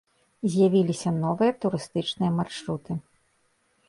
З'явіліся новыя турыстычныя маршруты.